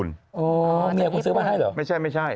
คุณเป็นใครคุณซื้อมาให้หรือไม่ใช่